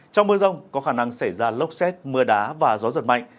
trong mưa rông có khả năng xảy ra lốc xét mưa đá và gió giật mạnh